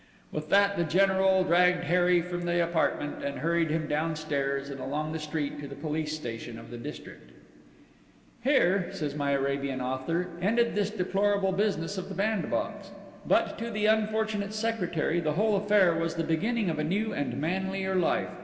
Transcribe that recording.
With that, the General dragged Harry from the apartment, and hurried him downstairs and along the street to the police station of the district. Here (says my Arabian author) ended this deplorable business of the bandbox. But to the unfortunate Secretary the whole affair was the beginning of a new and manlier life.